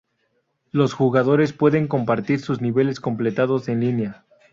Los jugadores pueden compartir sus niveles completados en línea.